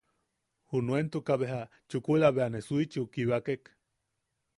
Junuentuka beja chukula bea ne Suichiu kibakek.